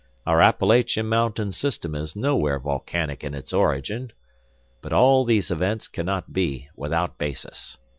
Our Appalachian mountain system is nowhere volcanic in its origin. But all these events cannot be without basis.